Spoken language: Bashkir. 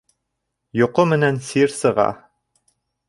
Йоҡо менән сир сыға.